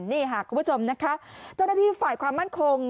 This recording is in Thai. นี่ค่ะคุณผู้ชมนะคะเจ้าหน้าที่ฝ่ายความมั่นคง